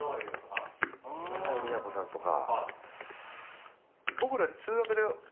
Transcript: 永井美奈子さんとか。